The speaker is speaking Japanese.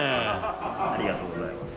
ありがとうございます。